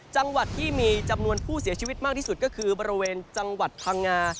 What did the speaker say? จังหวัดที่มีจำนวนผู้เสียชีวิตมากที่สุดก็คือบริเวณจังหวัดพังงา